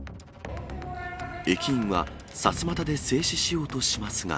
駅員はさすまたで制止しようとしますが。